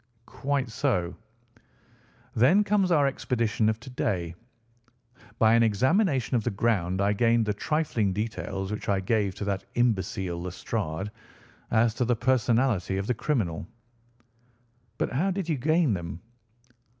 "Quite so." "Then comes our expedition of to day. By an examination of the ground I gained the trifling details which I gave to that imbecile Lestrade, as to the personality of the criminal." "But how did you gain them?"